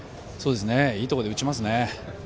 いいところで打ちますね。